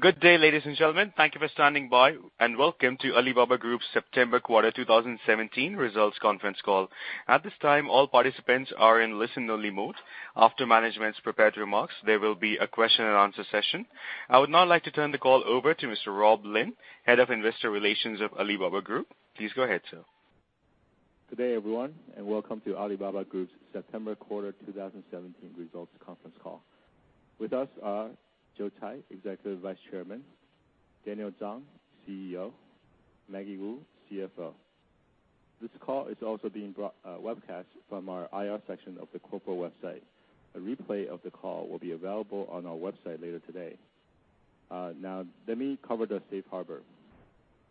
Good day, ladies and gentlemen. Thank you for standing by, welcome to Alibaba Group's September quarter 2017 results conference call. At this time, all participants are in listen only mode. After management's prepared remarks, there will be a question and answer session. I would now like to turn the call over to Mr. Rob Lin, Head of Investor Relations of Alibaba Group. Please go ahead, sir. Good day, everyone, welcome to Alibaba Group's September quarter 2017 results conference call. With us are Joe Tsai, Executive Vice Chairman, Daniel Zhang, CEO, Maggie Wu, CFO. This call is also being webcast from our IR section of the corporate website. A replay of the call will be available on our website later today. Now let me cover the safe harbor.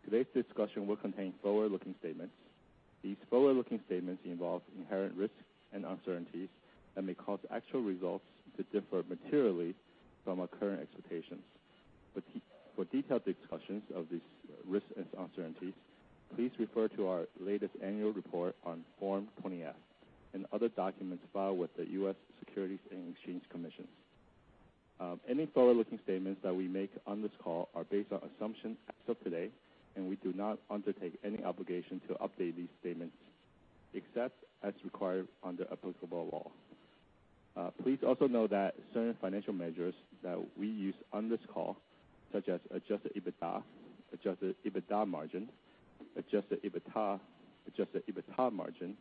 Today's discussion will contain forward-looking statements. These forward-looking statements involve inherent risks and uncertainties and may cause actual results to differ materially from our current expectations. For detailed discussions of these risks and uncertainties, please refer to our latest annual report on Form 20-F and other documents filed with the U.S. Securities and Exchange Commission. Any forward-looking statements that we make on this call are based on assumptions as of today, we do not undertake any obligation to update these statements except as required under applicable law. Please also know that certain financial measures that we use on this call, such as adjusted EBITDA, adjusted EBITDA margin, adjusted EBITA, adjusted EBITA margin,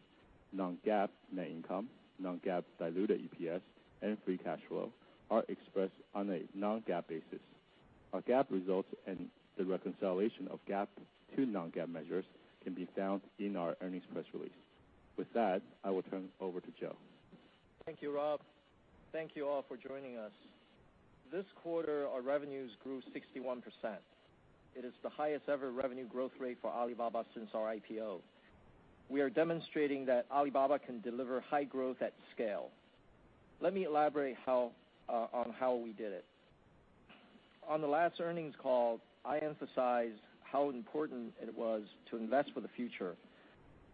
non-GAAP net income, non-GAAP diluted EPS, and free cash flow are expressed on a non-GAAP basis. Our GAAP results and the reconciliation of GAAP to non-GAAP measures can be found in our earnings press release. With that, I will turn over to Joe. Thank you, Rob. Thank you all for joining us. This quarter, our revenues grew 61%. It is the highest-ever revenue growth rate for Alibaba since our IPO. We are demonstrating that Alibaba can deliver high growth at scale. Let me elaborate on how we did it. On the last earnings call, I emphasized how important it was to invest for the future.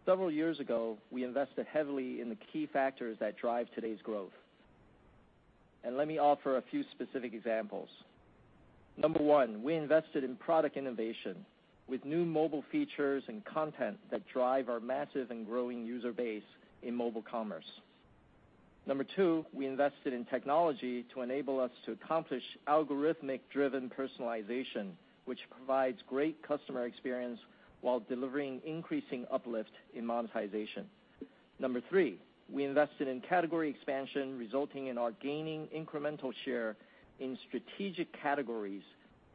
Several years ago, we invested heavily in the key factors that drive today's growth. Let me offer a few specific examples. Number 1, we invested in product innovation with new mobile features and content that drive our massive and growing user base in mobile commerce. Number 2, we invested in technology to enable us to accomplish algorithmic-driven personalization, which provides great customer experience while delivering increasing uplift in monetization. Number three, we invested in category expansion, resulting in our gaining incremental share in strategic categories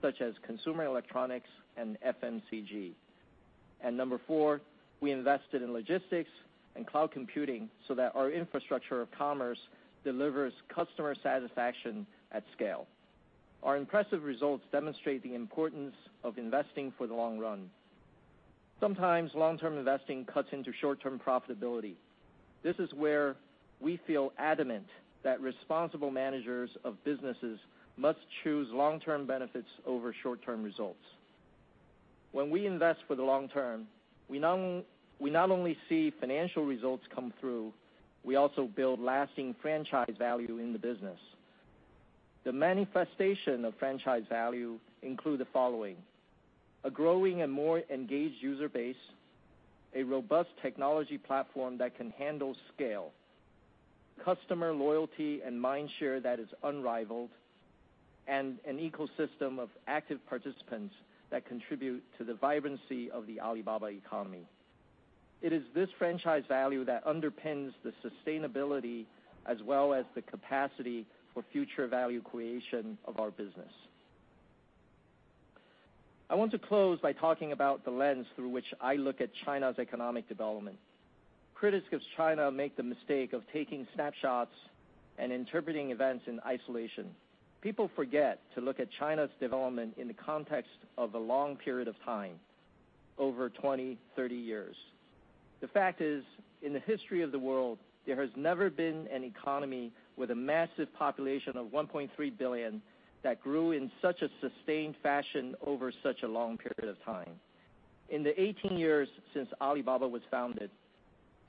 such as consumer electronics and FMCG. Number four, we invested in logistics and cloud computing so that our infrastructure of commerce delivers customer satisfaction at scale. Our impressive results demonstrate the importance of investing for the long run. Sometimes long-term investing cuts into short-term profitability. This is where we feel adamant that responsible managers of businesses must choose long-term benefits over short-term results. When we invest for the long term, we not only see financial results come through, we also build lasting franchise value in the business. The manifestation of franchise value include the following: a growing and more engaged user base, a robust technology platform that can handle scale, customer loyalty and mind share that is unrivaled, and an ecosystem of active participants that contribute to the vibrancy of the Alibaba economy. It is this franchise value that underpins the sustainability as well as the capacity for future value creation of our business. I want to close by talking about the lens through which I look at China's economic development. Critics of China make the mistake of taking snapshots and interpreting events in isolation. People forget to look at China's development in the context of a long period of time, over 20, 30 years. The fact is, in the history of the world, there has never been an economy with a massive population of 1.3 billion that grew in such a sustained fashion over such a long period of time. In the 18 years since Alibaba was founded,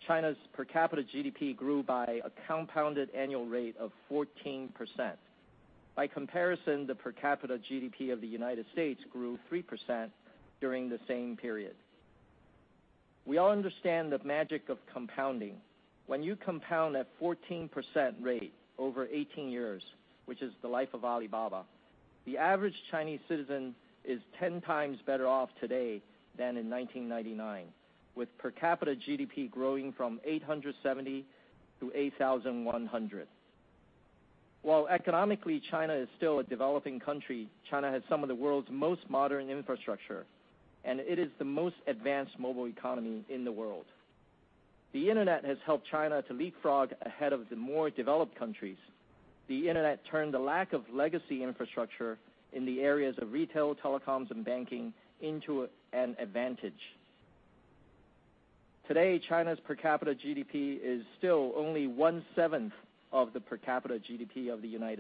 China's per capita GDP grew by a compounded annual rate of 14%. By comparison, the per capita GDP of the U.S. grew 3% during the same period. We all understand the magic of compounding. When you compound at 14% rate over 18 years, which is the life of Alibaba, the average Chinese citizen is 10 times better off today than in 1999, with per capita GDP growing from 870 to 8,100. While economically China is still a developing country, China has some of the world's most modern infrastructure, and it is the most advanced mobile economy in the world. The internet has helped China to leapfrog ahead of the more developed countries. The internet turned a lack of legacy infrastructure in the areas of retail, telecoms, and banking into an advantage. Today, China's per capita GDP is still only one-seventh of the per capita GDP of the U.S.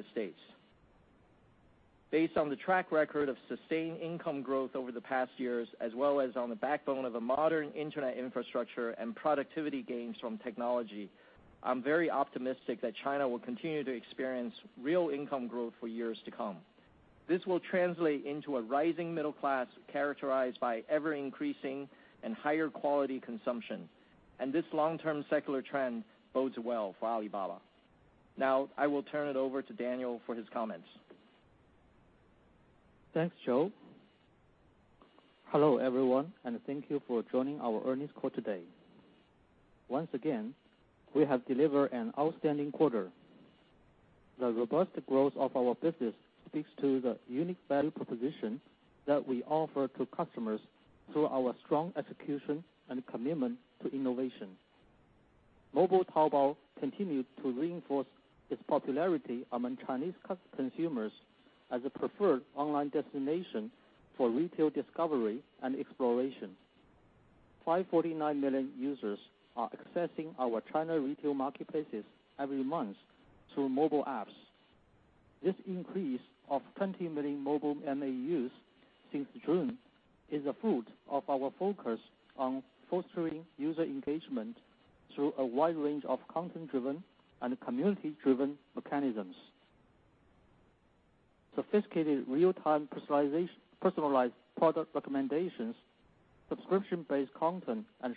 Based on the track record of sustained income growth over the past years, as well as on the backbone of a modern internet infrastructure and productivity gains from technology, I'm very optimistic that China will continue to experience real income growth for years to come. This will translate into a rising middle class characterized by ever increasing and higher quality consumption. This long-term secular trend bodes well for Alibaba. Now, I will turn it over to Daniel for his comments. Thanks, Joe. Hello, everyone, and thank you for joining our earnings call today. Once again, we have delivered an outstanding quarter. The robust growth of our business speaks to the unique value proposition that we offer to customers through our strong execution and commitment to innovation. Mobile Taobao continued to reinforce its popularity among Chinese consumers as a preferred online destination for retail discovery and exploration. 549 million users are accessing our China retail marketplaces every month through mobile apps. This increase of 20 million mobile MAUs since June is a fruit of our focus on fostering user engagement through a wide range of content-driven and community-driven mechanisms. Sophisticated real-time personalized product recommendations, subscription-based content, and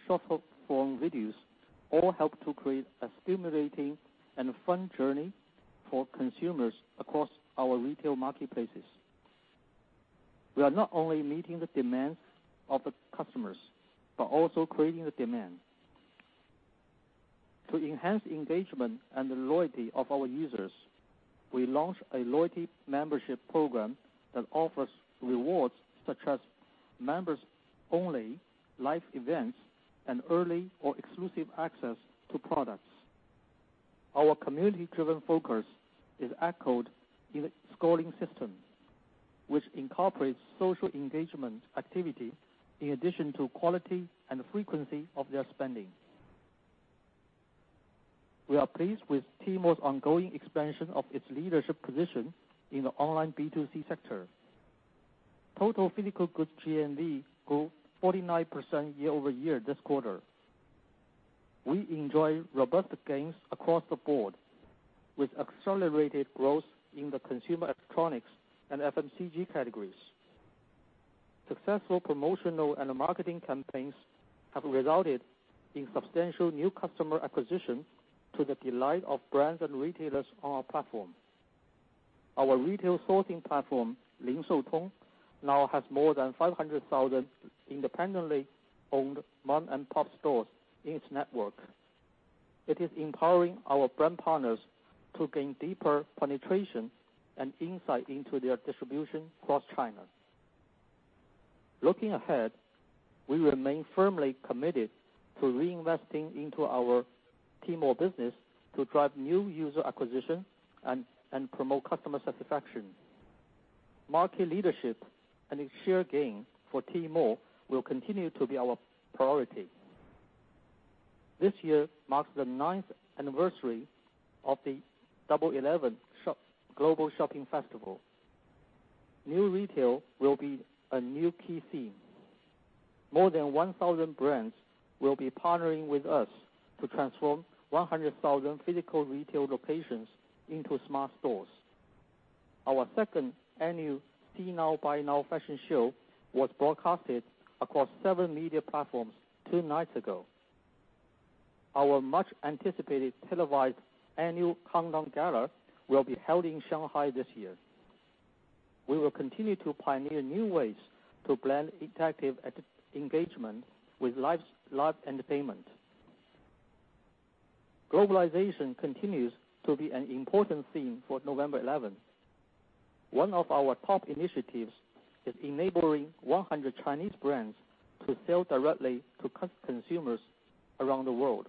short-form videos all help to create a stimulating and fun journey for consumers across our retail marketplaces. We are not only meeting the demands of the customers, but also creating the demand. To enhance engagement and the loyalty of our users, we launched a loyalty membership program that offers rewards such as members-only live events and early or exclusive access to products. Our community-driven focus is echoed in the scoring system, which incorporates social engagement activity in addition to quality and frequency of their spending. We are pleased with Tmall's ongoing expansion of its leadership position in the online B2C sector. Total physical goods GMV grew 49% year-over-year this quarter. We enjoy robust gains across the board, with accelerated growth in the consumer electronics and FMCG categories. Successful promotional and marketing campaigns have resulted in substantial new customer acquisition to the delight of brands and retailers on our platform. Our retail sourcing platform, Ling Shou Tong, now has more than 500,000 independently owned mom-and-pop stores in its network. It is empowering our brand partners to gain deeper penetration and insight into their distribution across China. Looking ahead, we remain firmly committed to reinvesting into our Tmall business to drive new user acquisition and promote customer satisfaction. Market leadership and share gain for Tmall will continue to be our priority. This year marks the ninth anniversary of the Double 11 Global Shopping Festival. New Retail will be a new key theme. More than 1,000 brands will be partnering with us to transform 100,000 physical retail locations into smart stores. Our second annual See Now Buy Now Fashion Show was broadcasted across several media platforms two nights ago. Our much anticipated televised annual Hong Kong Gala will be held in Shanghai this year. We will continue to pioneer new ways to blend interactive engagement with live entertainment. Globalization continues to be an important theme for November 11th. One of our top initiatives is enabling 100 Chinese brands to sell directly to consumers around the world.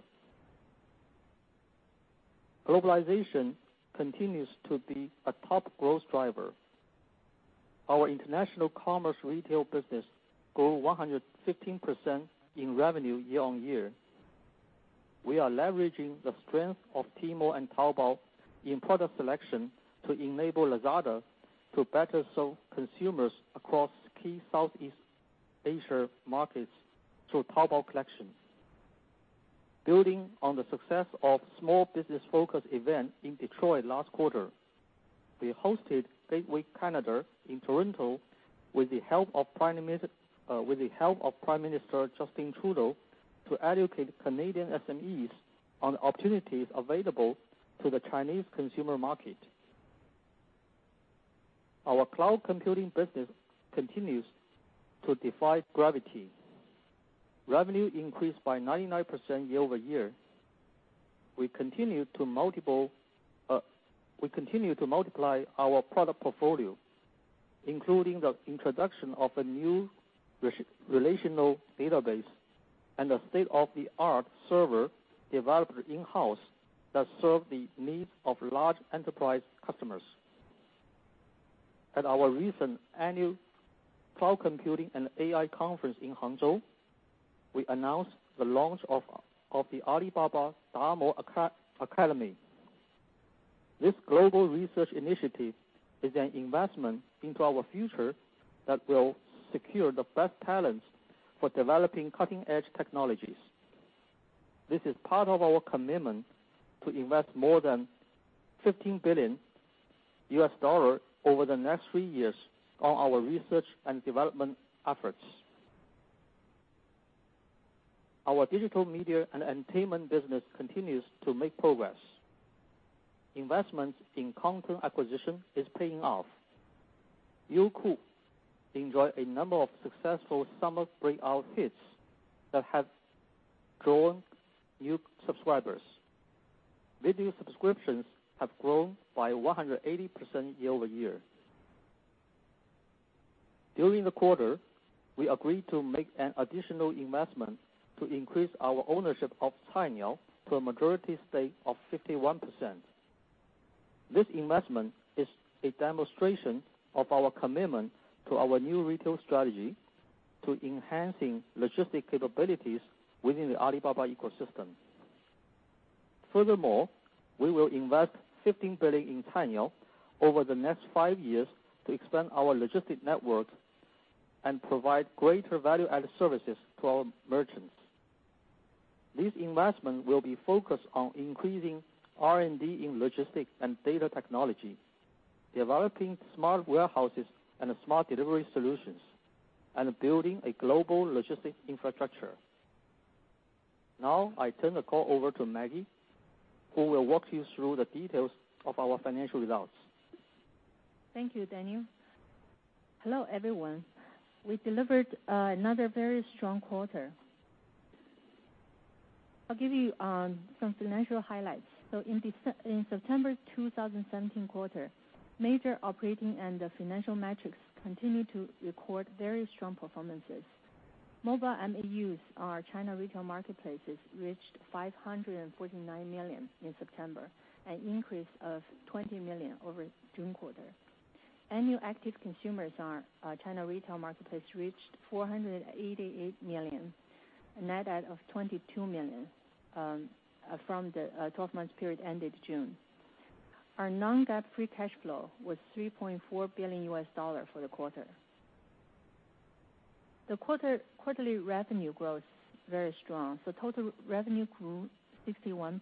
Globalization continues to be a top growth driver. Our international commerce retail business grew 115% in revenue year-on-year. We are leveraging the strength of Tmall and Taobao in product selection to enable Lazada to better serve consumers across key Southeast Asia markets through Taobao Collection. Building on the success of small business focus event in Detroit last quarter, we hosted Gateway Canada in Toronto with the help of Prime Minister Justin Trudeau to educate Canadian SMEs on opportunities available to the Chinese consumer market. Our cloud computing business continues to defy gravity. Revenue increased by 99% year-over-year. We continue to multiply our product portfolio, including the introduction of a new relational database and a state-of-the-art server developed in-house that serve the needs of large enterprise customers. At our recent annual Cloud Computing and AI Conference in Hangzhou, we announced the launch of the Alibaba DAMO Academy. This global research initiative is an investment into our future that will secure the best talents for developing cutting-edge technologies. This is part of our commitment to invest more than $15 billion over the next three years on our research and development efforts. Our digital media and entertainment business continues to make progress. Investments in content acquisition is paying off. Youku enjoyed a number of successful summer breakout hits that have grown new subscribers. Video subscriptions have grown by 180% year-over-year. During the quarter, we agreed to make an additional investment to increase our ownership of Cainiao to a majority stake of 51%. This investment is a demonstration of our commitment to our new retail strategy to enhancing logistic capabilities within the Alibaba ecosystem. Furthermore, we will invest $15 billion in Cainiao over the next five years to expand our logistic network and provide greater value-added services to our merchants. This investment will be focused on increasing R&D in logistics and data technology, developing smart warehouses and smart delivery solutions, and building a global logistic infrastructure. I turn the call over to Maggie, who will walk you through the details of our financial results. Thank you, Daniel. Hello, everyone. We delivered another very strong quarter. I'll give you some financial highlights. In September 2017 quarter, major operating and financial metrics continued to record very strong performances. Mobile MAUs, our China retail marketplaces reached 549 million in September, an increase of 20 million over June quarter. Annual active consumers on our China retail marketplace reached 488 million, a net add of 22 million from the 12 months period ended June. Our non-GAAP free cash flow was $3.4 billion for the quarter. The quarterly revenue growth, very strong. Total revenue grew 61%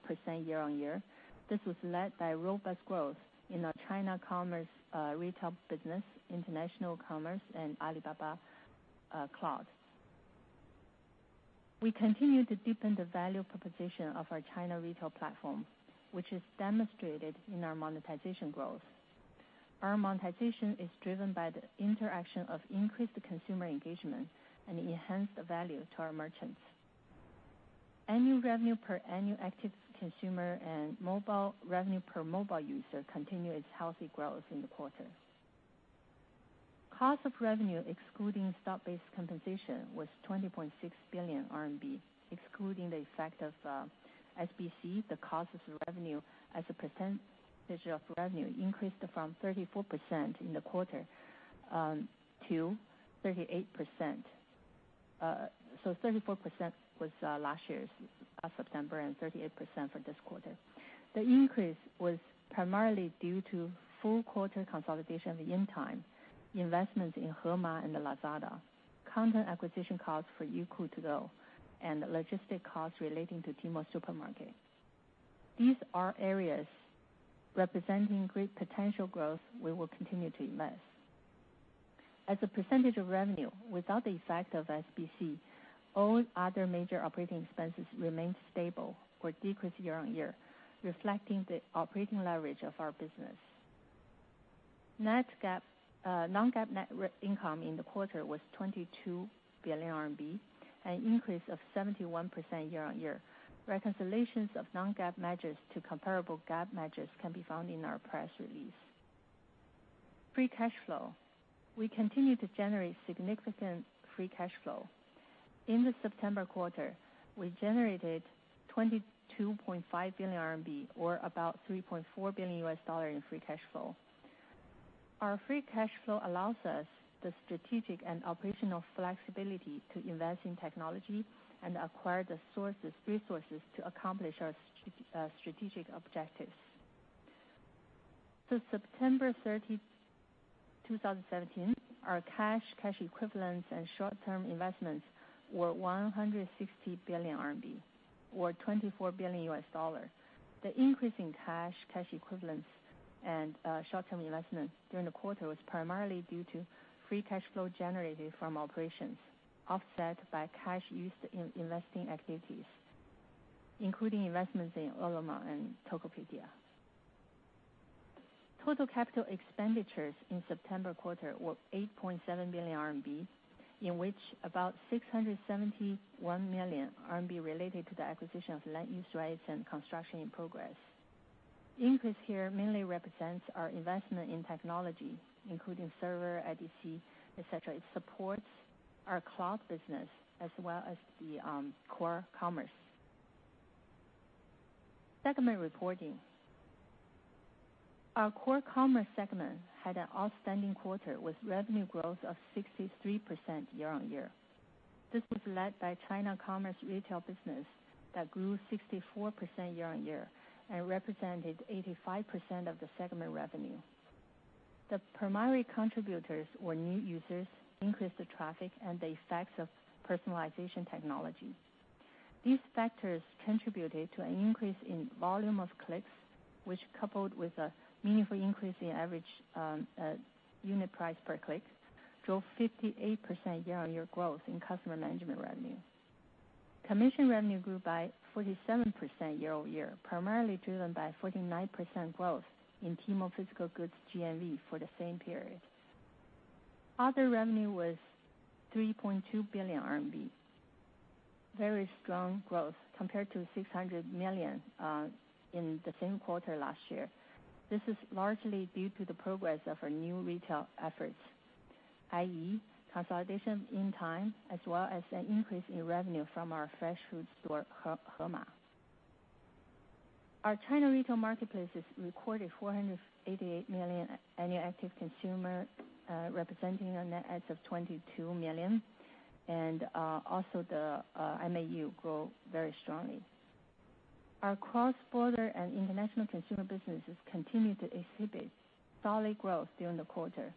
year-on-year. This was led by robust growth in our China commerce retail business, international commerce and Alibaba Cloud. We continue to deepen the value proposition of our China retail platform, which is demonstrated in our monetization growth. Our monetization is driven by the interaction of increased consumer engagement and enhanced value to our merchants. Annual revenue per annual active consumer and mobile revenue per mobile user continued its healthy growth in the quarter. Cost of revenue excluding stock-based compensation was 20.6 billion RMB. Excluding the effect of SBC, the cost of revenue as a percentage of revenue increased from 34% in the quarter to 38%. 34% was last year's September, and 38% for this quarter. The increase was primarily due to full quarter consolidation of the Intime, investments in Hema and Lazada, content acquisition costs for Youku Tudou, and logistic costs relating to Tmall Supermarket. These are areas representing great potential growth we will continue to invest. As a percentage of revenue, without the effect of SBC, all other major operating expenses remained stable or decreased year-on-year, reflecting the operating leverage of our business. Non-GAAP net income in the quarter was 22 billion RMB, an increase of 71% year-on-year. Reconciliations of non-GAAP measures to comparable GAAP measures can be found in our press release. Free cash flow. We continue to generate significant free cash flow. In the September quarter, we generated 22.5 billion RMB, or about $3.4 billion in free cash flow. Our free cash flow allows us the strategic and operational flexibility to invest in technology and acquire the resources to accomplish our strategic objectives. September 30, 2017, our cash equivalents, and short-term investments were 160 billion RMB or $24 billion. The increase in cash equivalents, and short-term investments during the quarter was primarily due to free cash flow generated from operations offset by cash used in investing activities, including investments in Lazada and Tokopedia. Total capital expenditures in September quarter were 8.7 billion RMB, in which about 671 million RMB related to the acquisition of land use rights and construction in progress. Increase here mainly represents our investment in technology, including server, IDC, et cetera. It supports our cloud business as well as the Core Commerce. Segment reporting. Our Core Commerce segment had an outstanding quarter with revenue growth of 63% year-on-year. This was led by China Commerce Retail business that grew 64% year-on-year and represented 85% of the segment revenue. The primary contributors were new users, increased traffic, and the effects of personalization technology. These factors contributed to an increase in volume of clicks, which, coupled with a meaningful increase in average unit price per click, drove 58% year-on-year growth in customer management revenue. Commission revenue grew by 47% year-over-year, primarily driven by 49% growth in Tmall physical goods GMV for the same period. Other revenue was 3.2 billion RMB, very strong growth compared to 600 million in the same quarter last year. This is largely due to the progress of our New Retail efforts, i.e., consolidation Intime, as well as an increase in revenue from our fresh food store, Hema. Our China retail marketplace has recorded 488 million annual active consumers, representing a net add of 22 million, and also the MAU grew very strongly. Our cross-border and international consumer businesses continued to exhibit solid growth during the quarter.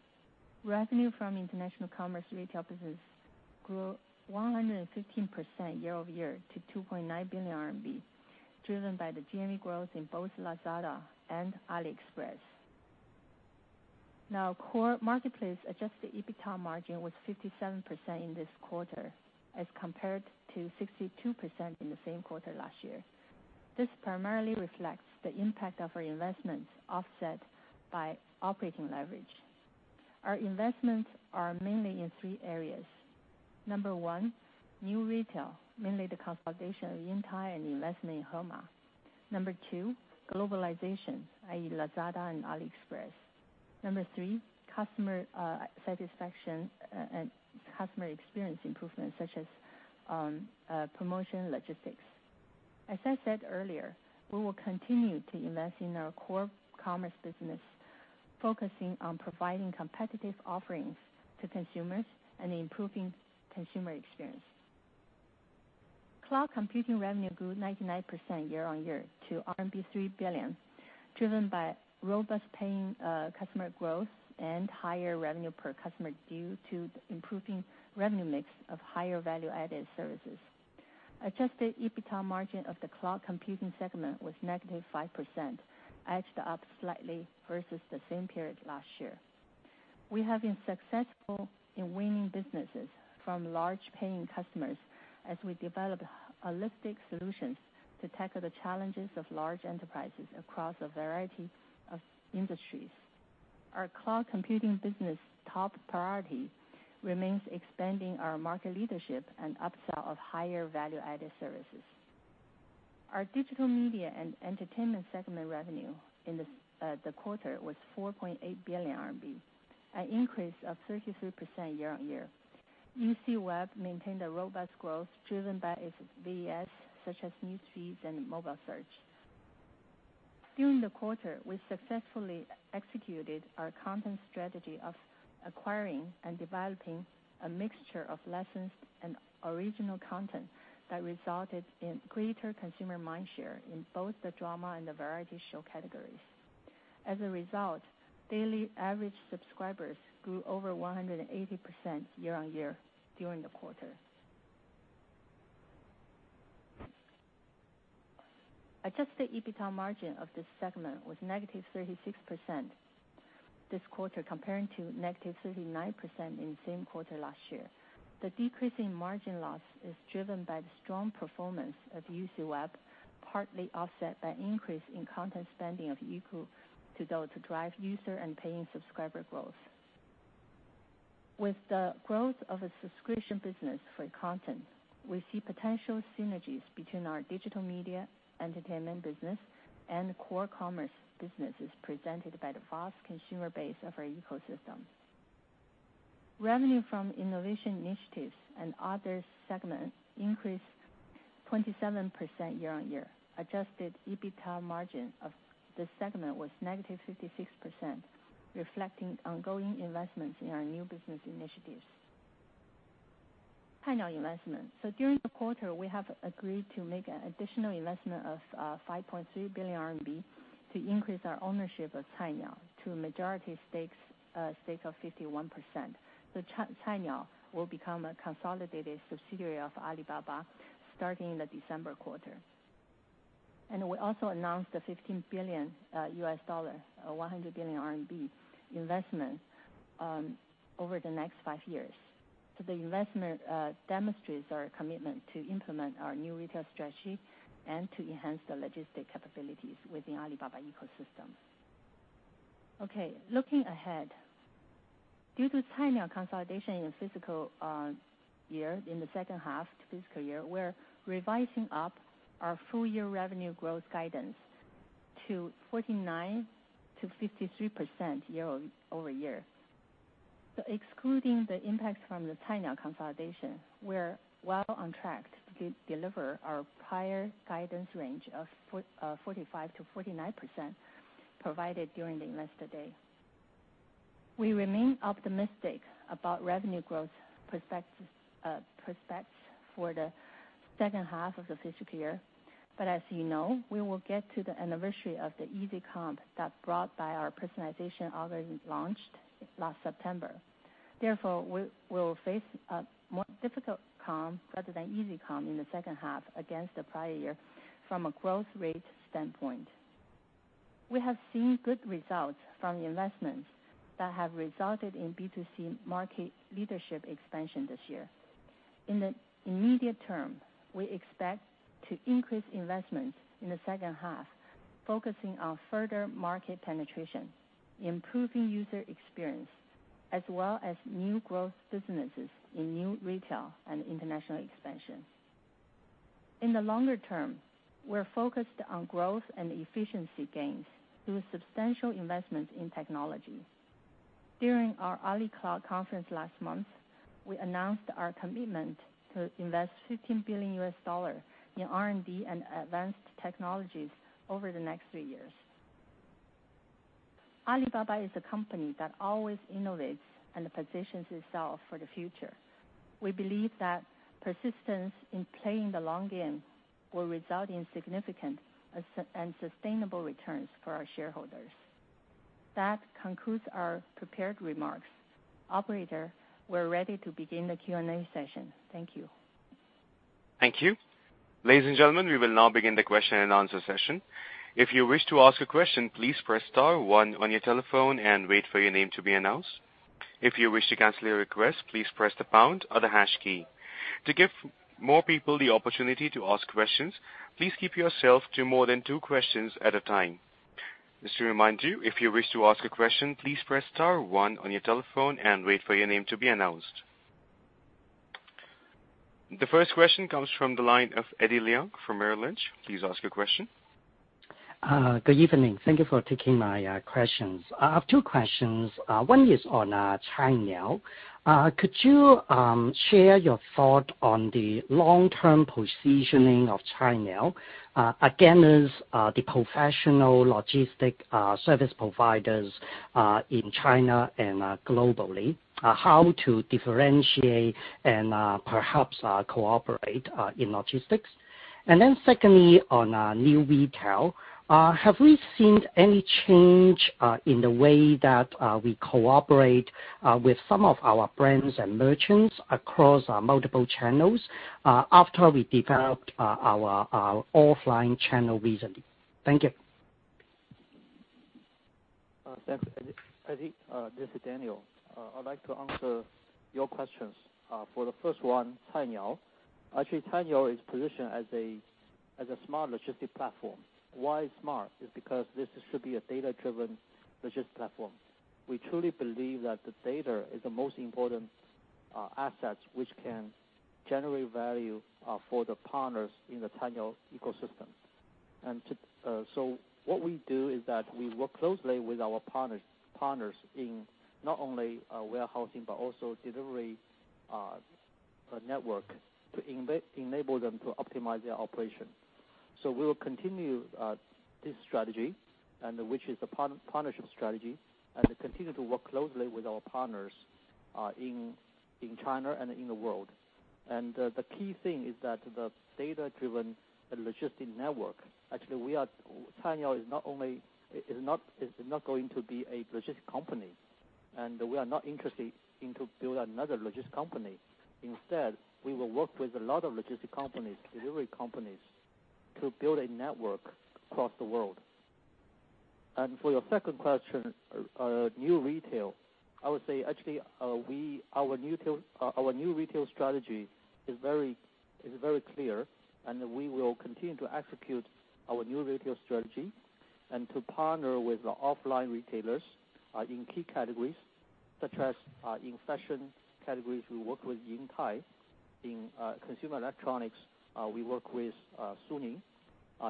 Revenue from international commerce retail business grew 115% year-over-year to 2.9 billion RMB, driven by the GMV growth in both Lazada and AliExpress. Core Marketplace adjusted EBITDA margin was 57% in this quarter as compared to 62% in the same quarter last year. This primarily reflects the impact of our investments offset by operating leverage. Our investments are mainly in three areas. Number 1, New Retail, mainly the consolidation of Intime and investment in Hema. Number 2, globalization, i.e., Lazada and AliExpress. Number 3, customer satisfaction and customer experience improvement such as promotion logistics. As I said earlier, we will continue to invest in our Core Commerce business, focusing on providing competitive offerings to consumers and improving consumer experience. Cloud computing revenue grew 99% year-on-year to RMB 3 billion, driven by robust paying customer growth and higher revenue per customer due to improving revenue mix of higher value-added services. Adjusted EBITDA margin of the cloud computing segment was negative 5%, edged up slightly versus the same period last year. We have been successful in winning businesses from large paying customers as we develop holistic solutions to tackle the challenges of large enterprises across a variety of industries. Our cloud computing business top priority remains expanding our market leadership and upsell of higher value-added services. Our digital media and entertainment segment revenue in the quarter was 4.8 billion RMB, an increase of 33% year-on-year. UCWeb maintained a robust growth driven by its VAS, such as newsfeeds and mobile search. During the quarter, we successfully executed our content strategy of acquiring and developing a mixture of licensed and original content that resulted in greater consumer mind share in both the drama and the variety show categories. As a result, daily average subscribers grew over 180% year-on-year during the quarter. Adjusted EBITDA margin of this segment was negative 36% this quarter comparing to negative 39% in the same quarter last year. The decrease in margin loss is driven by the strong performance of UCWeb, partly offset by increase in content spending of Youku to drive user and paying subscriber growth. With the growth of a subscription business for content, we see potential synergies between our digital media entertainment business and core commerce businesses presented by the vast consumer base of our ecosystem. Revenue from innovation initiatives and other segments increased 27% year-on-year. Adjusted EBITDA margin of the segment was negative 56%, reflecting ongoing investments in our new business initiatives. Cainiao investment. During the quarter, we have agreed to make an additional investment of 5.3 billion RMB to increase our ownership of Cainiao to a majority stake of 51%. Cainiao will become a consolidated subsidiary of Alibaba starting the December quarter. We also announced the $15 billion, 100 billion RMB investment over the next five years. The investment demonstrates our commitment to implement our New Retail strategy and to enhance the logistic capabilities within Alibaba ecosystem. Looking ahead. Due to timing of consolidation in the second half fiscal year, we're revising up our full year revenue growth guidance to 49%-53% year-over-year. Excluding the impact from the timing of consolidation, we're well on track to deliver our prior guidance range of 45%-49% provided during the Investor Day. We remain optimistic about revenue growth prospects for the second half of the fiscal year. As you know, we will get to the anniversary of the easy comp that's brought by our personalization algorithm launched last September. Therefore, we'll face a more difficult comp rather than easy comp in the second half against the prior year from a growth rate standpoint. We have seen good results from investments that have resulted in B2C market leadership expansion this year. In the immediate term, we expect to increase investment in the second half, focusing on further market penetration, improving user experience, as well as new growth businesses in New Retail and international expansion. In the longer term, we're focused on growth and efficiency gains through substantial investments in technology. During our Alibaba Cloud conference last month, we announced our commitment to invest $15 billion in R&D and advanced technologies over the next three years. Alibaba is a company that always innovates and positions itself for the future. We believe that persistence in playing the long game will result in significant and sustainable returns for our shareholders. That concludes our prepared remarks. Operator, we're ready to begin the Q&A session. Thank you. Thank you. Ladies and gentlemen, we will now begin the question and answer session. If you wish to ask a question, please press star one on your telephone and wait for your name to be announced. If you wish to cancel your request, please press the pound or the hash key. To give more people the opportunity to ask questions, please keep yourself to more than two questions at a time. Just to remind you, if you wish to ask a question, please press star one on your telephone and wait for your name to be announced. The first question comes from the line of Eddie Leung from Merrill Lynch. Please ask your question. Good evening. Thank you for taking my questions. I have two questions. One is on Cainiao. Could you share your thought on the long-term positioning of Cainiao against the professional logistic service providers in China and globally? How to differentiate and perhaps cooperate in logistics. Secondly, on new retail, have we seen any change in the way that we cooperate with some of our brands and merchants across multiple channels after we developed our offline channel recently? Thank you. Thanks, Eddie. This is Daniel. I'd like to answer your questions. For the first one, Cainiao. Actually, Cainiao is positioned as a smart logistic platform. Why smart? Is because this should be a data-driven logistic platform. We truly believe that the data is the most important asset which can generate value for the partners in the Cainiao ecosystem. What we do is that we work closely with our partners in not only warehousing, but also delivery network to enable them to optimize their operation. We will continue this strategy, and which is the partnership strategy, and to continue to work closely with our partners in China and in the world. The key thing is that the data-driven logistic network, actually, Cainiao is not going to be a logistic company, and we are not interested in to build another logistic company. Instead, we will work with a lot of logistics companies, delivery companies, to build a network across the world. For your second question, new retail. I would say, actually, our new retail strategy is very clear, and we will continue to execute our new retail strategy and to partner with the offline retailers in key categories, such as in fashion categories, we work with Intime. In consumer electronics, we work with Suning.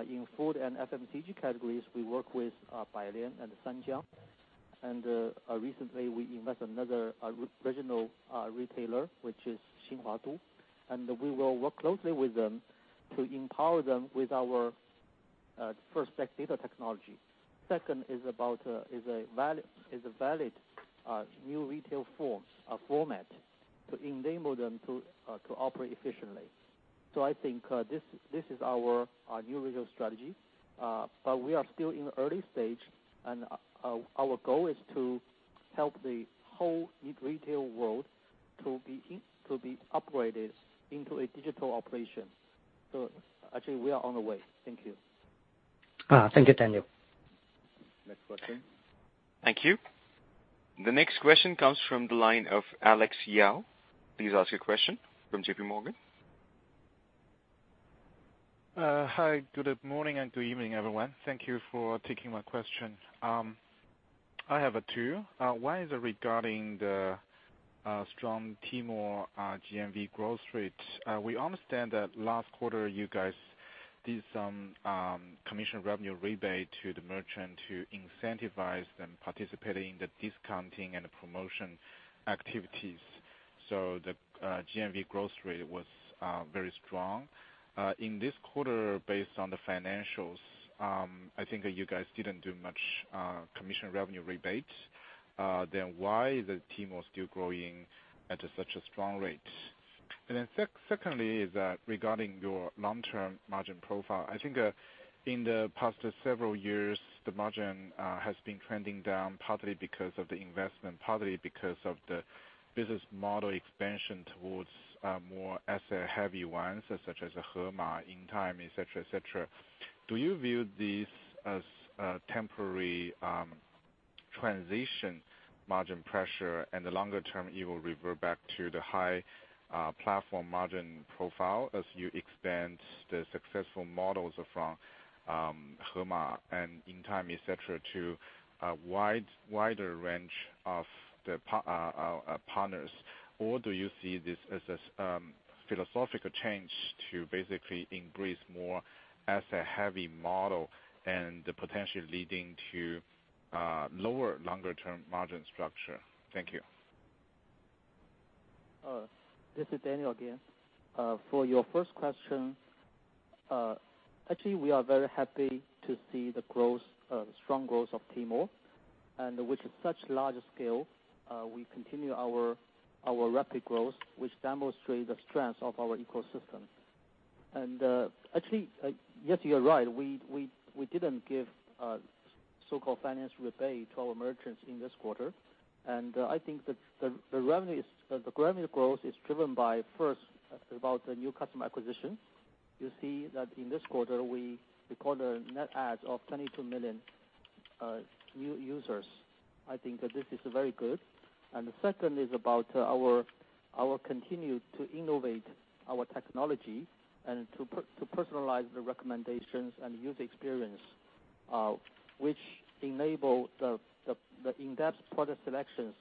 In food and FMCG categories, we work with Bailian and Sanjiang. Recently we invest another regional retailer, which is New Hua Du, and we will work closely with them to empower them with our irst-party data technology. Second is about a valid new retail format to enable them to operate efficiently. I think this is our new retail strategy. We are still in the early stage, and our goal is to help the whole new retail world to be upgraded into a digital operation. Actually, we are on the way. Thank you. Thank you, Daniel. Next question. Thank you. The next question comes from the line of Alex Yao. Please ask your question from JPMorgan. Hi. Good morning and good evening, everyone. Thank you for taking my question. I have two. One is regarding the strong Tmall GMV growth rate. We understand that last quarter you guys did some commission revenue rebate to the merchant to incentivize them participating in the discounting and the promotion activities. The GMV growth rate was very strong. In this quarter based on the financials, I think that you guys didn't do much commission revenue rebate. Why is Tmall still growing at such a strong rate? Secondly, regarding your long-term margin profile. I think in the past several years, the margin has been trending down, partly because of the investment, partly because of the business model expansion towards more asset heavy ones such as Hema, Intime, et cetera. Do you view these as a temporary transition margin pressure and the longer term it will revert back to the high platform margin profile as you expand the successful models from Hema and Intime, et cetera, to a wider range of the partners? Do you see this as a philosophical change to basically embrace more asset heavy model and potentially leading to lower longer-term margin structure? Thank you. This is Daniel again. For your first question, actually, we are very happy to see the strong growth of Tmall, and with such large scale, we continue our rapid growth, which demonstrates the strength of our ecosystem. Actually, yes, you're right, we didn't give so-called financial rebate to our merchants in this quarter. I think that the revenue growth is driven by first, about the new customer acquisition. You see that in this quarter, we recorded a net add of 22 million new users. I think that this is very good. The second is about our continue to innovate our technology and to personalize the recommendations and user experience, which enable the in-depth product selections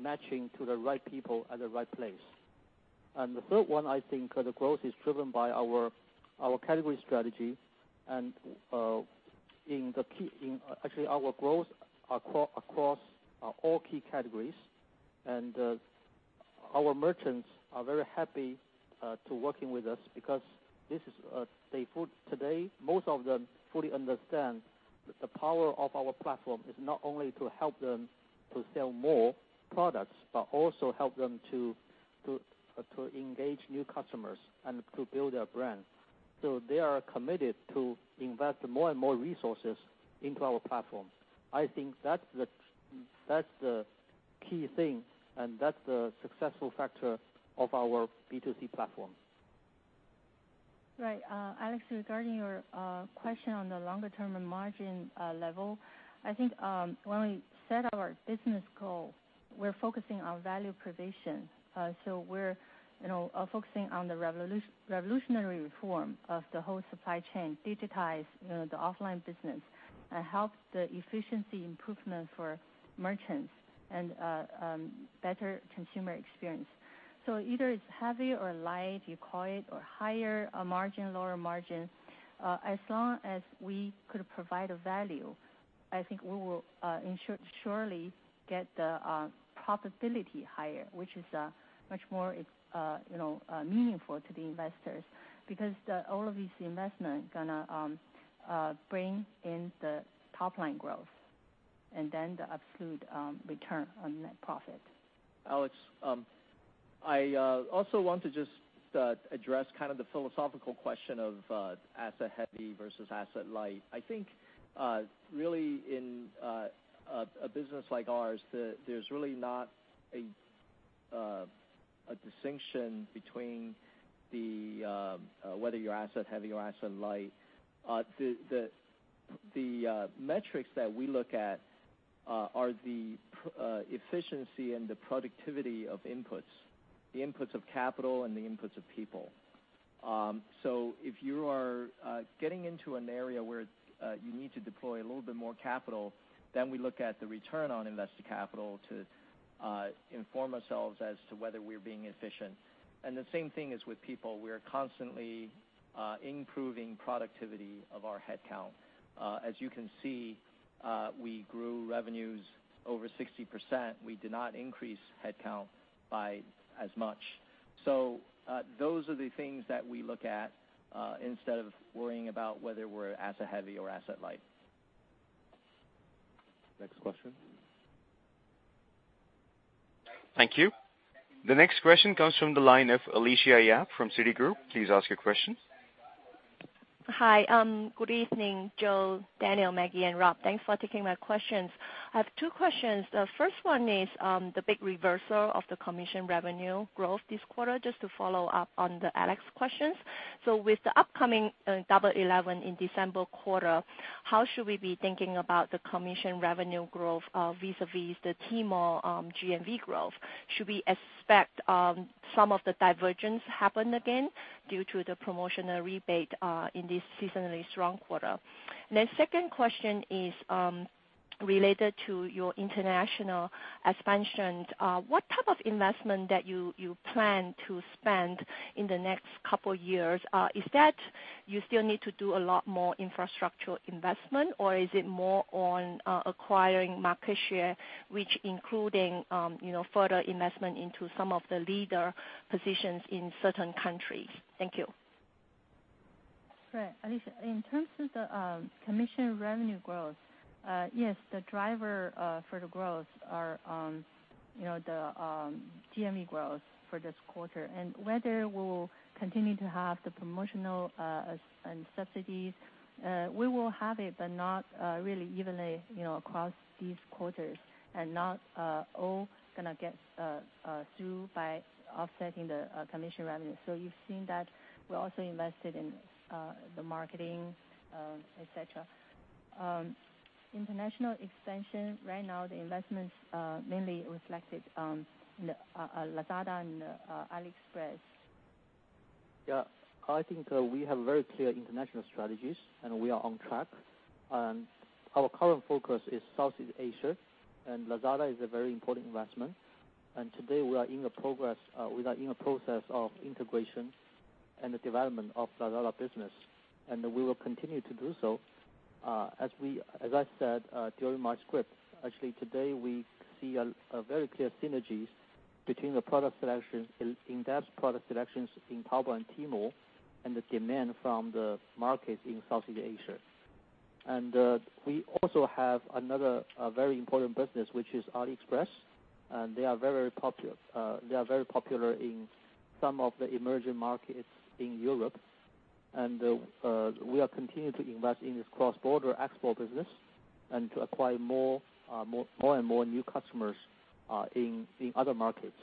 matching to the right people at the right place. The third one, I think the growth is driven by our category strategy and actually our growth across all key categories. Our merchants are very happy to working with us because today, most of them fully understand that the power of our platform is not only to help them to sell more products, but also help them to engage new customers and to build their brand. They are committed to invest more and more resources into our platform. I think that's the key thing, and that's the successful factor of our B2C platform. Right. Alex, regarding your question on the longer-term margin level, I think when we set our business goal, we're focusing on value provision. We're focusing on the revolutionary reform of the whole supply chain, digitize the offline business, and help the efficiency improvement for merchants and better consumer experience. Either it's heavy or light, you call it, or higher margin, lower margin, as long as we could provide a value, I think we will surely get the profitability higher, which is much more meaningful to the investors because all of this investment going to bring in the top-line growth and then the absolute return on net profit. Alex, I also want to just address kind of the philosophical question of asset heavy versus asset light. I think really in a business like ours, there's really not a distinction between whether you're asset heavy or asset light. The metrics that we look at are the efficiency and the productivity of inputs, the inputs of capital and the inputs of people. If you are getting into an area where you need to deploy a little bit more capital, then we look at the return on invested capital to inform ourselves as to whether we're being efficient. The same thing is with people. We are constantly improving productivity of our headcount. As you can see, we grew revenues over 60%. We did not increase headcount by as much. Those are the things that we look at instead of worrying about whether we're asset heavy or asset light. Next question. Thank you. The next question comes from the line of Alicia Yap from Citigroup. Please ask your question. Hi. Good evening, Joe, Daniel, Maggie, and Rob. Thanks for taking my questions. I have two questions. The first one is the big reversal of the commission revenue growth this quarter, just to follow up on the Alex questions. With the upcoming Double 11 in December quarter, how should we be thinking about the commission revenue growth vis-a-vis the Tmall GMV growth? Should we expect some of the divergence happen again due to the promotional rebate in this seasonally strong quarter? Second question is related to your international expansion. What type of investment that you plan to spend in the next couple of years? Is that you still need to do a lot more infrastructure investment, or is it more on acquiring market share, which including further investment into some of the leader positions in certain countries? Thank you. Right. Alicia, in terms of the commission revenue growth, yes, the driver for the growth are the GMV growth for this quarter. Whether we'll continue to have the promotional and subsidies, we will have it, but not really evenly across these quarters and not all going to get through by offsetting the commission revenue. You've seen that we also invested in the marketing, et cetera. International expansion, right now the investments mainly reflected on Lazada and AliExpress. Yeah. I think we have very clear international strategies, and we are on track. Our current focus is Southeast Asia, and Lazada is a very important investment. Today, we are in a process of integration and the development of Lazada business. We will continue to do so. As I said during my script, actually today, we see a very clear synergies between the in-depth product selections in Taobao and Tmall, and the demand from the markets in Southeast Asia. We also have another very important business, which is AliExpress, and they are very popular in some of the emerging markets in Europe. We are continuing to invest in this cross-border export business and to acquire more and more new customers in other markets.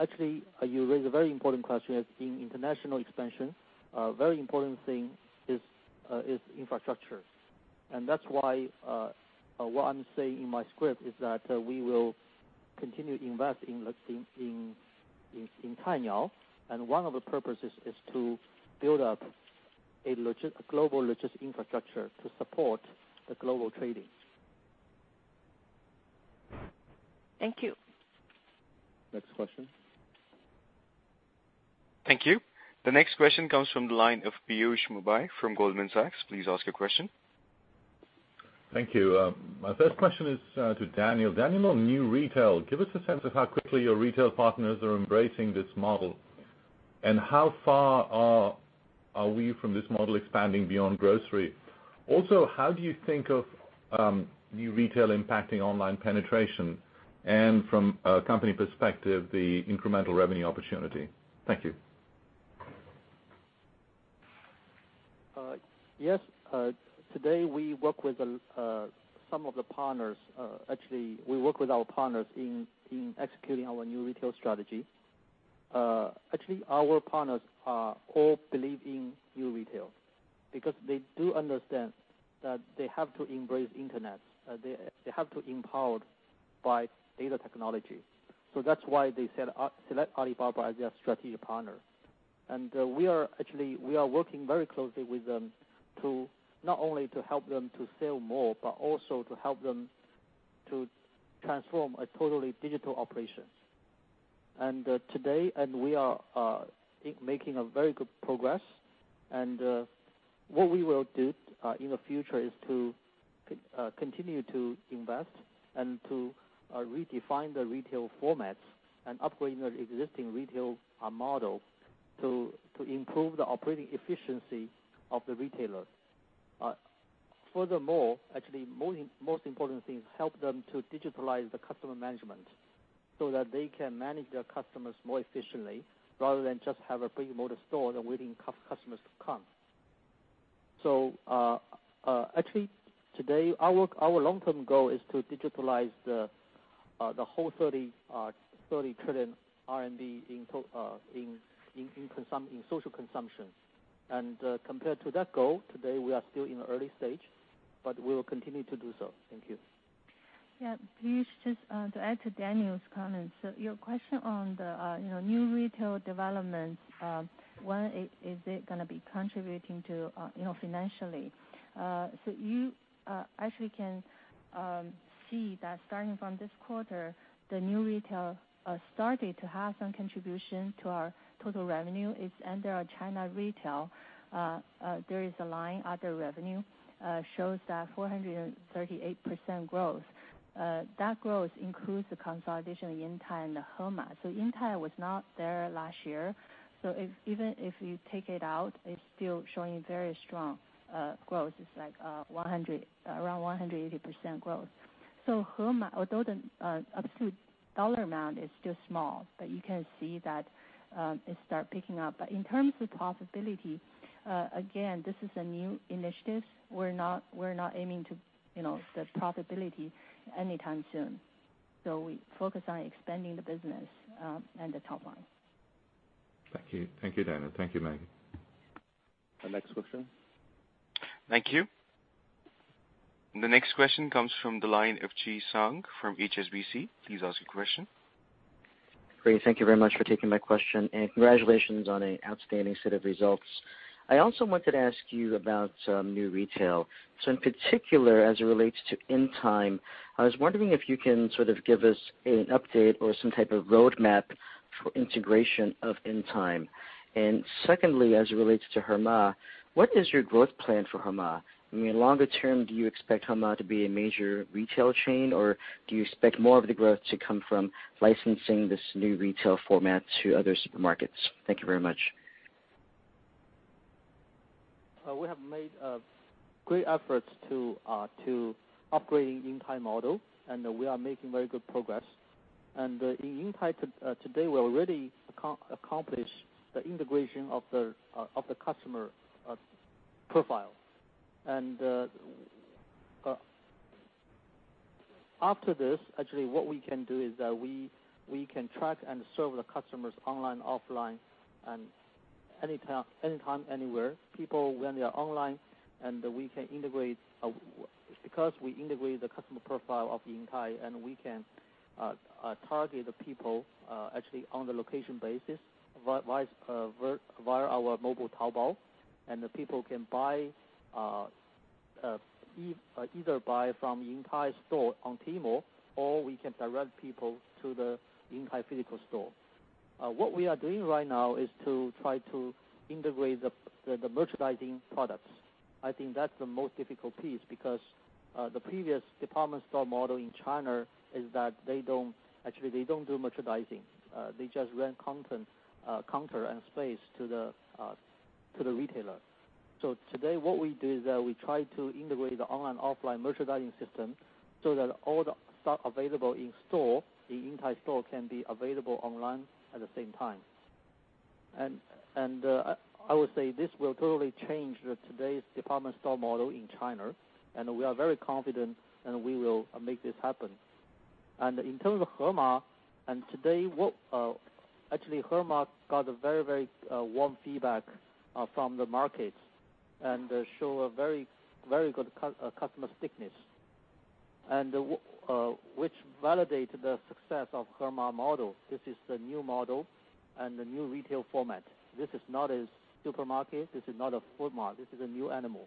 Actually, you raised a very important question as in international expansion, a very important thing is infrastructure. That's why what I'm saying in my script is that we will continue to invest in Cainiao, and one of the purposes is to build up a global logistics infrastructure to support the global trading. Thank you. Next question. Thank you. The next question comes from the line of Piyush Mubayi from Goldman Sachs. Please ask your question. Thank you. My first question is to Daniel. Daniel, New Retail, give us a sense of how quickly your retail partners are embracing this model, and how far are we from this model expanding beyond grocery? Also, how do you think of New Retail impacting online penetration, and from a company perspective, the incremental revenue opportunity? Thank you. Yes. Today we work with some of the partners. Actually, we work with our partners in executing our New Retail strategy. Actually, our partners all believe in New Retail because they do understand that they have to embrace internet. They have to be empowered by data technology. That's why they select Alibaba as their strategic partner. We are working very closely with them to not only to help them to sell more, but also to help them to transform a totally digital operation. Today, we are making a very good progress. What we will do in the future is to continue to invest and to redefine the retail formats and upgrade the existing retail model to improve the operating efficiency of the retailers. Furthermore, actually, most important thing is help them to digitalize the customer management so that they can manage their customers more efficiently rather than just have a brick-and-mortar store and waiting for customers to come. Actually today, our long-term goal is to digitalize the whole RMB 30 trillion in social consumption. Compared to that goal, today, we are still in the early stage, but we will continue to do so. Thank you. Yeah. Piyush, just to add to Daniel's comments. Your question on the New Retail developments, when is it going to be contributing to financially? You actually can see that starting from this quarter, the New Retail started to have some contribution to our total revenue. It's under our China retail. There is a line, other revenue, shows that 438% growth. That growth includes the consolidation of Intime and Hema. Intime was not there last year. Even if you take it out, it's still showing very strong growth. It's around 180% growth. Although the absolute dollar amount is still small, you can see that it start picking up. In terms of profitability, again, this is a new initiative. We're not aiming to the profitability anytime soon. We focus on expanding the business and the top line. Thank you, Daniel. Thank you, Maggie. The next question. Thank you. The next question comes from the line of Chi Tsang from HSBC. Please ask your question. Great. Thank you very much for taking my question, and congratulations on an outstanding set of results. I also wanted to ask you about New Retail. In particular, as it relates to Intime, I was wondering if you can sort of give us an update or some type of roadmap for integration of Intime. Secondly, as it relates to Hema, what is your growth plan for Hema? In longer term, do you expect Hema to be a major retail chain, or do you expect more of the growth to come from licensing this New Retail format to other supermarkets? Thank you very much. We have made great efforts to upgrading Intime model, we are making very good progress. In Intime today, we already accomplished the integration of the customer profile. After this, actually what we can do is that we can track and serve the customers online, offline, and anytime, anywhere. People when they are online, because we integrate the customer profile of Intime, we can target the people actually on the location basis via our mobile Taobao. The people can either buy from Intime store on Tmall, or we can direct people to the Intime physical store. What we are doing right now is to try to integrate the merchandising products. I think that's the most difficult piece because the previous department store model in China is that actually they don't do merchandising. They just rent counter and space to the retailer. Today, what we do is that we try to integrate the online, offline merchandising system so that all the stock available in store, the Intime store, can be available online at the same time. I would say this will totally change today's department store model in China, and we are very confident, and we will make this happen. In terms of Hema, actually Hema got a very warm feedback from the markets and show a very good customer stickiness, which validated the success of Hema model. This is the new model and the new retail format. This is not a supermarket. This is not a food mart. This is a new animal.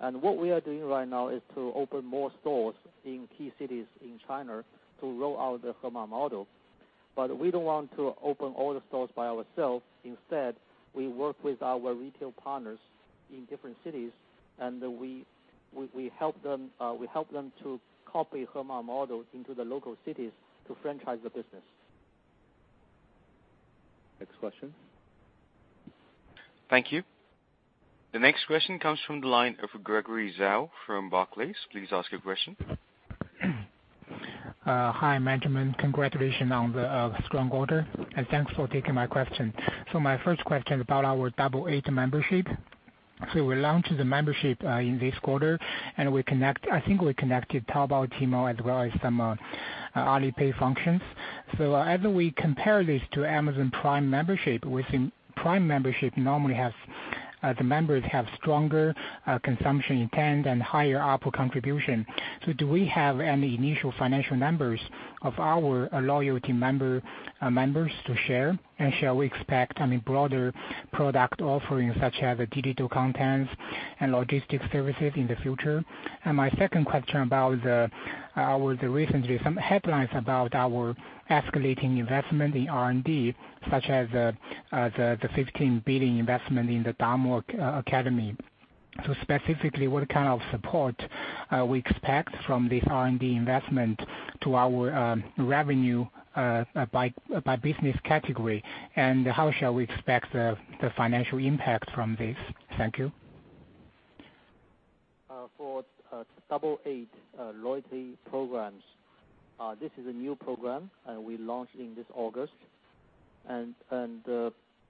What we are doing right now is to open more stores in key cities in China to roll out the Hema model, but we don't want to open all the stores by ourselves. Instead, we work with our retail partners in different cities, and we help them to copy Hema model into the local cities to franchise the business. Next question. Thank you. The next question comes from the line of Gregory Zhao from Barclays. Please ask your question. Hi, management. Congratulations on the strong quarter, and thanks for taking my question. My first question is about our Double Eight membership. We launched the membership in this quarter, and I think we connected Taobao, Tmall, as well as some Alipay functions. As we compare this to Amazon Prime membership, we've seen Prime membership normally the members have stronger consumption intent and higher output contribution. Do we have any initial financial numbers of our loyalty members to share? Shall we expect any broader product offerings such as digital contents and logistics services in the future? My second question, recently some headlines about our escalating investment in R&D, such as the 15 billion investment in the DAMO Academy. Specifically, what kind of support we expect from the R&D investment to our revenue by business category, and how shall we expect the financial impact from this? Thank you. For Double Eight loyalty programs, this is a new program, we launched in this August.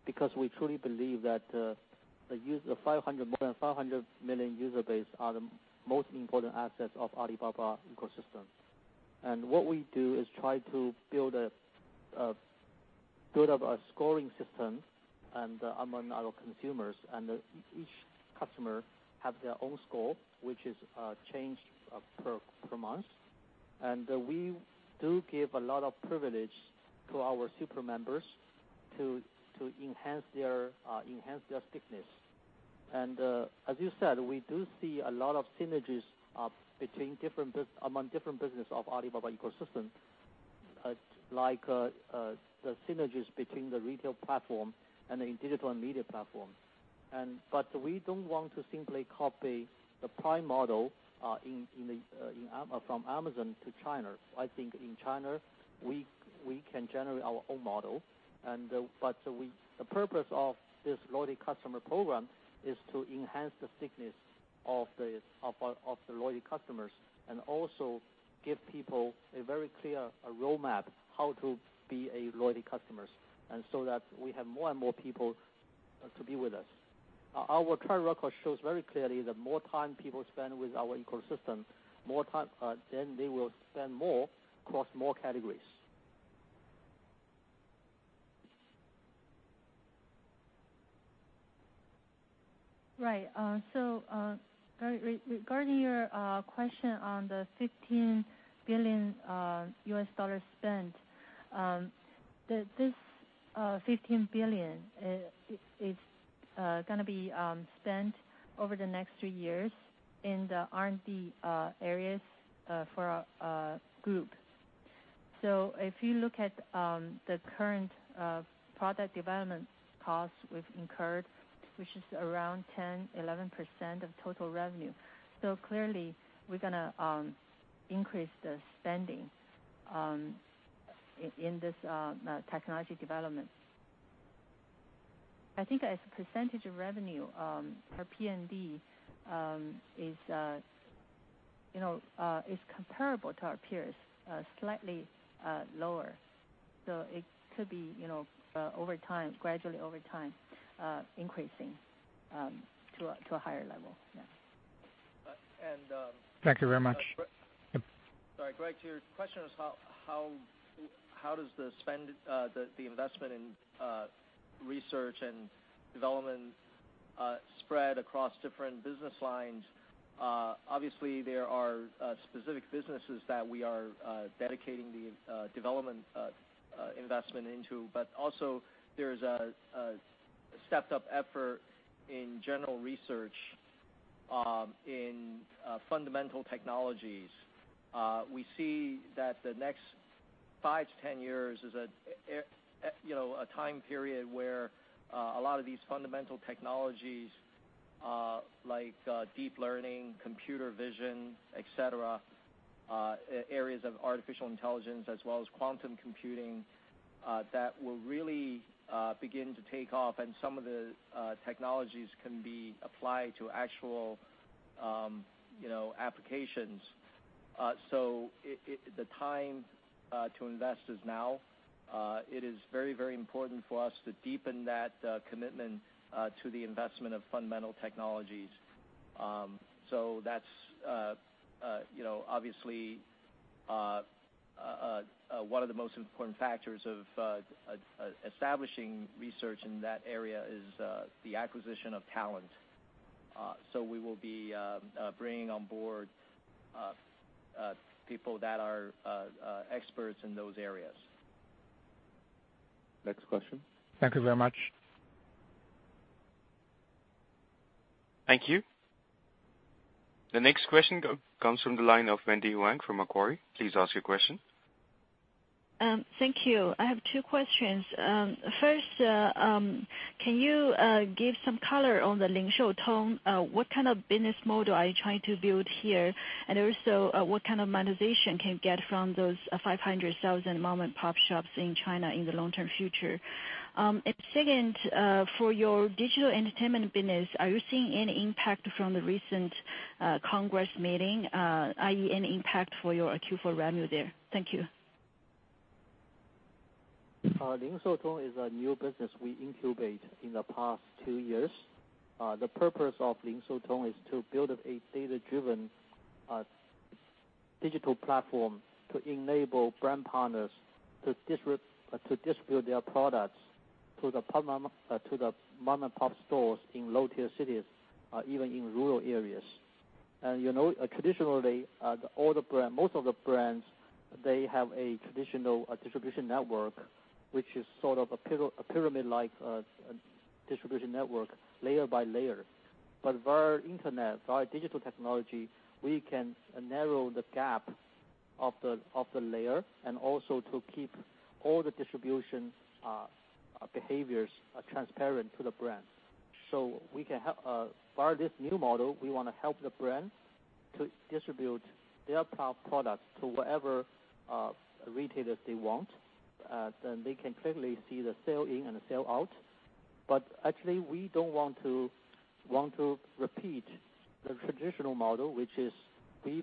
Because we truly believe that more than 500 million user base are the most important assets of Alibaba ecosystem. What we do is try to build up a scoring system among our consumers. Each customer have their own score, which is changed per month. We do give a lot of privilege to our super members to enhance their stickiness. As you said, we do see a lot of synergies among different business of Alibaba ecosystem, like the synergies between the retail platform and the digital and media platform. We don't want to simply copy the Prime model from Amazon to China. I think in China, we can generate our own model. The purpose of this loyalty customer program is to enhance the stickiness of the loyalty customers, also give people a very clear roadmap how to be a loyalty customers, so that we have more and more people to be with us. Our current record shows very clearly that more time people spend with our ecosystem, then they will spend more across more categories. Regarding your question on the CNY 15 billion spent. This 15 billion is going to be spent over the next three years in the R&D areas for our group. If you look at the current product development cost we've incurred, which is around 10%, 11% of total revenue. Clearly, we're going to increase the spending In this technology development. I think as a percentage of revenue, our R&D is comparable to our peers, slightly lower. It could be gradually over time, increasing to a higher level. Thank you very much. Sorry, Greg, your question is how does the investment in research and development spread across different business lines? Obviously, there are specific businesses that we are dedicating the development investment into, but also there's a stepped-up effort in general research in fundamental technologies. We see that the next five to 10 years is a time period where a lot of these fundamental technologies, like deep learning, computer vision, et cetera, areas of artificial intelligence, as well as quantum computing, that will really begin to take off, and some of the technologies can be applied to actual applications. The time to invest is now. It is very important for us to deepen that commitment to the investment of fundamental technologies. That's obviously one of the most important factors of establishing research in that area is the acquisition of talent. We will be bringing on board people that are experts in those areas. Next question. Thank you very much. Thank you. The next question comes from the line of Wendy Huang from Macquarie. Please ask your question. Thank you. I have two questions. First, can you give some color on the LingShouTong? What kind of business model are you trying to build here? Also, what kind of monetization can you get from those 500,000 mom-and-pop shops in China in the long-term future? Second, for your digital entertainment business, are you seeing any impact from the recent Congress meeting, i.e., any impact for your Q4 revenue there? Thank you. LingShouTong is a new business we incubate in the past 2 years. The purpose of LingShouTong is to build a data-driven digital platform to enable brand partners to distribute their products to the mom-and-pop stores in low-tier cities, even in rural areas. Traditionally, most of the brands, they have a traditional distribution network, which is sort of a pyramid-like distribution network, layer by layer. Via internet, via digital technology, we can narrow the gap of the layer and also to keep all the distribution behaviors transparent to the brand. Via this new model, we want to help the brand to distribute their products to whatever retailers they want. They can clearly see the sell in and the sell out. Actually, we don't want to repeat the traditional model, which is we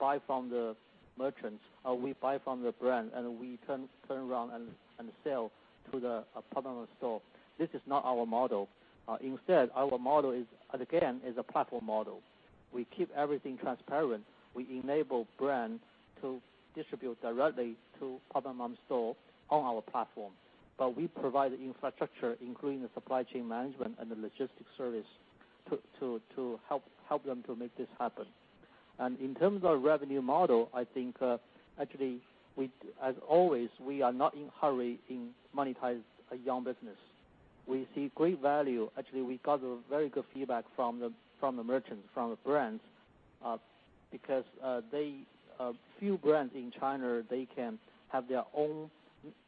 buy from the merchants, or we buy from the brand, and we turn around and sell to the partner store. This is not our model. Instead, our model is, again, is a platform model. We keep everything transparent. We enable brands to distribute directly to partner mom store on our platform. We provide the infrastructure, including the supply chain management and the logistics service, to help them to make this happen. In terms of revenue model, I think, actually, as always, we are not in hurry in monetize a young business. We see great value. Actually, we got very good feedback from the merchants, from the brands, because few brands in China, they can have their own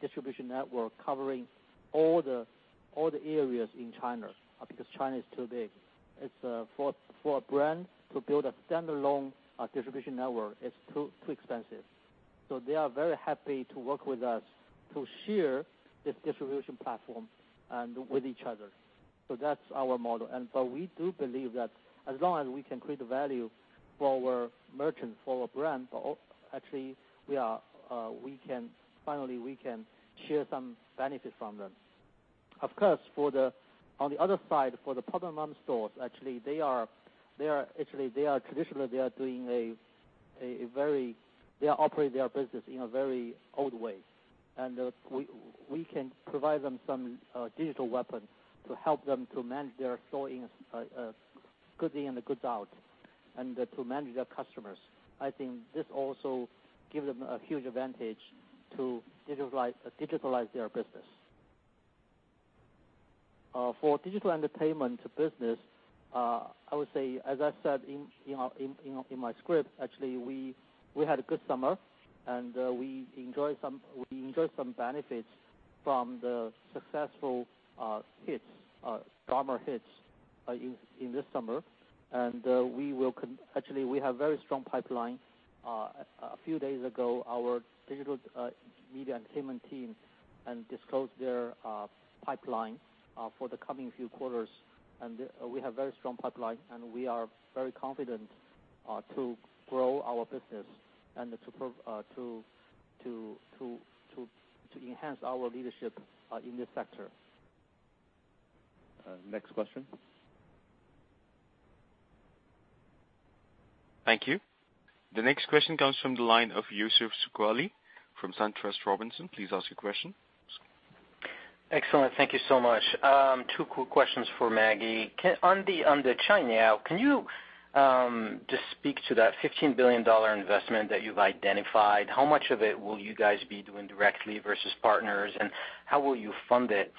distribution network covering all the areas in China, because China is too big. For a brand to build a standalone distribution network, it's too expensive. They are very happy to work with us to share this distribution platform with each other. That's our model. We do believe that as long as we can create value for our merchants, for our brands, actually, finally we can share some benefit from them. Of course, on the other side, for the partner mom stores, actually they are traditionally operating their business in a very old way. We can provide them some digital weapon to help them to manage their store goods in and the goods out, and to manage their customers. I think this also gives them a huge advantage to digitalize their business. For digital entertainment business, I would say, as I said in my script, actually, we had a good summer, we enjoy some benefits from the successful drama hits in this summer. Actually, we have very strong pipeline. A few days ago, our digital media entertainment team disclosed their pipeline for the coming few quarters, we have very strong pipeline, we are very confident to grow our business and to enhance our leadership in this sector. Next question. Thank you. The next question comes from the line of Youssef Squali from SunTrust Robinson Humphrey. Please ask your question. Excellent. Thank you so much. Two quick questions for Maggie. On the Cainiao, can you just speak to that CNY 15 billion investment that you've identified? How much of it will you guys be doing directly versus partners, and how will you fund it?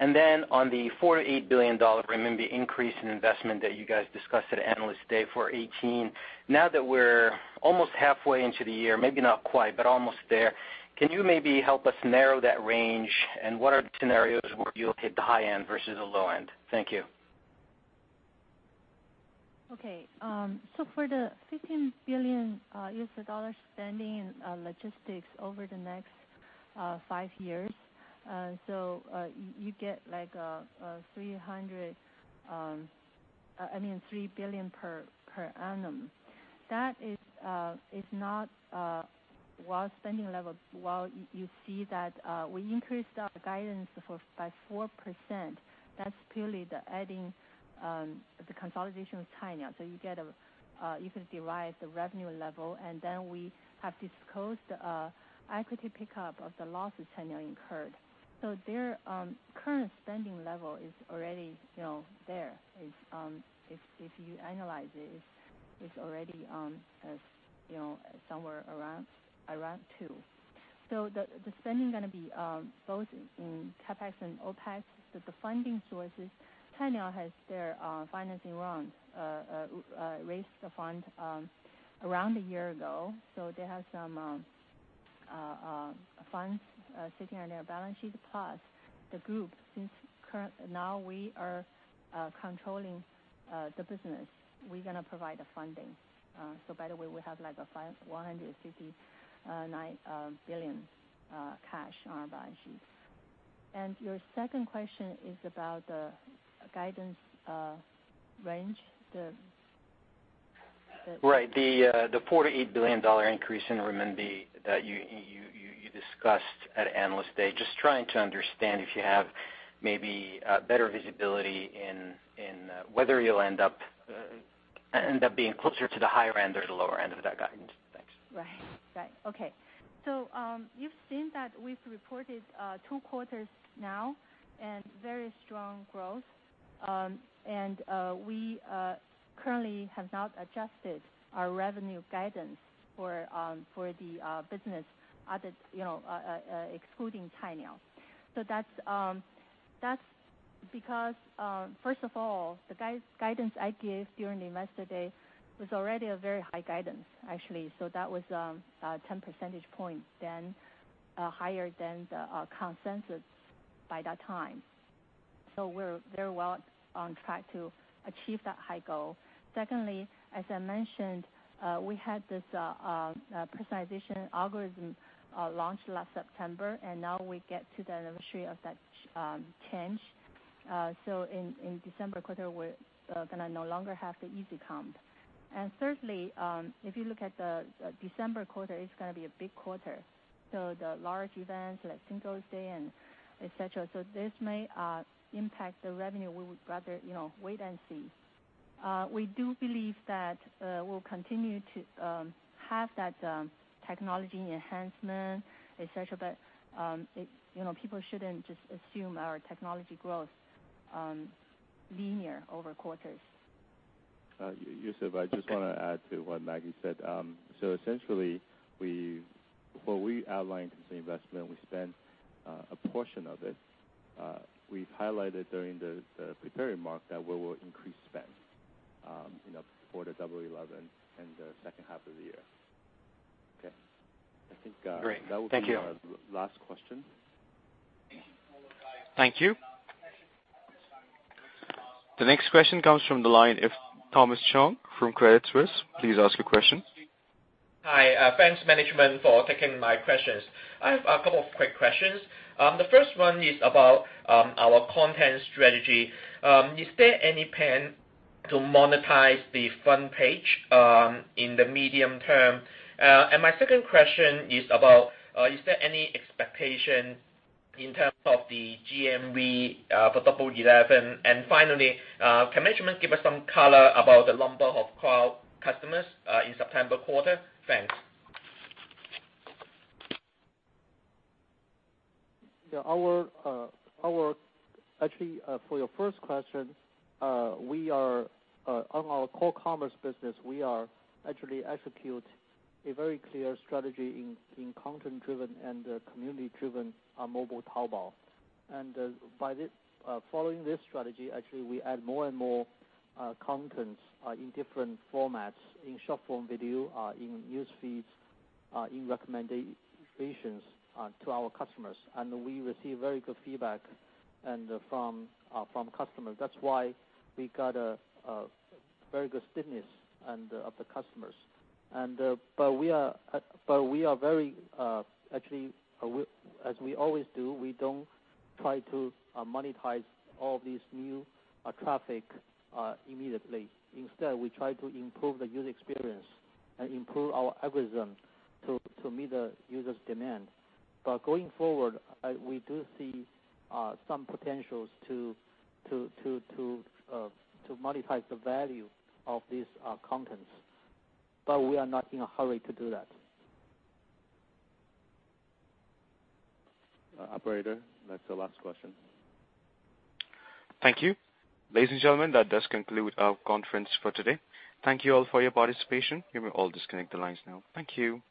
On the 4 billion-8 billion renminbi increase in investment that you guys discussed at Analyst Day for 2018, now that we're almost halfway into the year, maybe not quite, but almost there, can you maybe help us narrow that range? What are the scenarios where you'll hit the high end versus the low end? Thank you. Okay. For the CNY 15 billion spending in logistics over the next five years, you get like 3 billion per annum. That is not our spending level, while you see that we increased our guidance by 4%, that's purely the adding, the consolidation with Cainiao. You can derive the revenue level. We have disclosed equity pickup of the losses Cainiao incurred. Their current spending level is already there. If you analyze it's already somewhere around two. The spending going to be both in CapEx and OPEX, but the funding sources, Cainiao has their financing round, raised the fund around a year ago. They have some funds sitting on their balance sheet, plus the Group, since now we are controlling the business, we're going to provide the funding. By the way, we have like 159 billion cash on our balance sheet. Your second question is about the guidance range. Right. The CNY 4 billion-CNY 8 billion increase in renminbi that you discussed at Analyst Day. Just trying to understand if you have maybe better visibility in whether you'll end up being closer to the higher end or the lower end of that guidance. Thanks. Right. Okay. You've seen that we've reported two quarters now and very strong growth. We currently have not adjusted our revenue guidance for the business excluding Cainiao. That's because, first of all, the guidance I gave during the Investor Day was already a very high guidance, actually. That was 10 percentage points higher than the consensus by that time. We're very well on track to achieve that high goal. Secondly, as I mentioned, we had this personalization algorithm launch last September, and now we get to the anniversary of that change. In December quarter, we're gonna no longer have the easy comp. Thirdly, if you look at the December quarter, it's gonna be a big quarter. The large events like Singles' Day and et cetera. This may impact the revenue. We would rather wait and see. We do believe that we'll continue to have that technology enhancement, et cetera, but people shouldn't just assume our technology growth linear over quarters. Youssef, I just want to add to what Maggie said. Essentially, before we outlined consumer investment, we spent a portion of it. We've highlighted during the prepared remarks that we will increase spend for the Double 11 and the second half of the year. Okay? Great. Thank you. our last question. Thank you. The next question comes from the line of Thomas Chong from Credit Suisse. Please ask your question. Hi. Thanks management for taking my questions. I have a couple of quick questions. The first one is about our content strategy. Is there any plan to monetize the front page in the medium term? My second question is there any expectation in terms of the GMV for Double 11? Finally, can management give us some color about the number of cloud customers in September quarter? Thanks. Actually, for your first question, on our core commerce business, we are actually execute a very clear strategy in content-driven and community-driven mobile Taobao. Following this strategy, actually, we add more and more contents in different formats, in short-form video, in news feeds, in recommendations to our customers. We receive very good feedback from customers. That's why we got a very good stickiness of the customers. Actually, as we always do, we don't try to monetize all this new traffic immediately. Instead, we try to improve the user experience and improve our algorithm to meet the users' demand. Going forward, we do see some potentials to monetize the value of these contents. We are not in a hurry to do that. Operator, that's the last question. Thank you. Ladies and gentlemen, that does conclude our conference for today. Thank you all for your participation. You may all disconnect the lines now. Thank you.